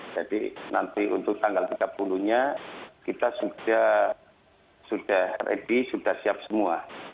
jadi nanti untuk tanggal tiga puluh nya kita sudah ready sudah siap semua